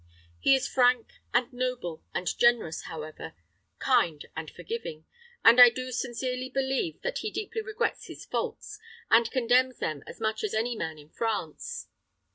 He is frank, and noble, and generous, however kind and forgiving; and I do sincerely believe that he deeply regrets his faults, and condemns them as much as any man in France.